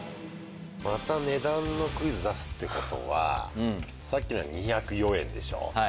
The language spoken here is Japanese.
また値段のクイズ出すってことはさっきのは２０４円でしょ。